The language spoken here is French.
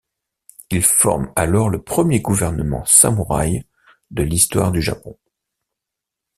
Il forme alors le premier gouvernement samouraï de l'histoire du Japon.